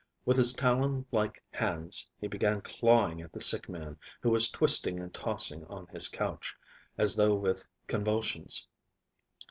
With his talon like hands he began clawing at the sick man, who was twisting and tossing on his couch, as though with convulsions.